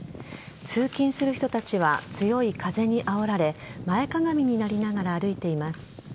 通勤する人たちは強い風にあおられ前かがみになりながら歩いています。